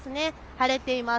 晴れています。